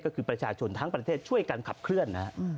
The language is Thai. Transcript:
ก็คือประชาชนทั้งประเทศช่วยกันขับเคลื่อนนะฮะ